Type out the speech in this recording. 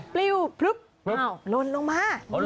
อ๋อปลิ้วปลึ๊บอ้าวลนลงมา